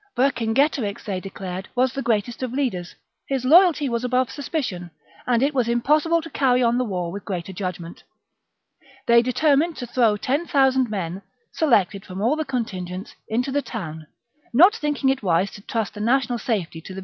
Vercingetorix, they declared, was the greatest of leaders : his loyalty was above suspicion ; and it was impossible to carry on the war with greater judgement They determined to throw ten thousand men, selected from all the contingents, into the town, not think ing it wise to trust the national safety to the 222 THE REBELLION TIOOK 52 B.